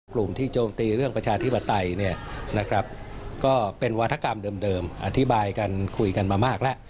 กลุ่มที่โจมตีเรื่องประชาธิปไตยเนี่ยนะครับก็เป็นวาธกรรมเดิมอธิบายกันคุยกันมามากแล้ว